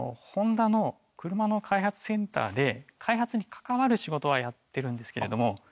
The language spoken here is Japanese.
ホンダの車の開発センターで開発に関わる仕事はやってるんですけれども。